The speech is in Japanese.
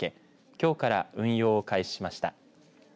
きょうから運用を開始しました。